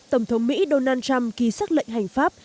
tổng thống mỹ donald trump ký xác lệnh hành pháp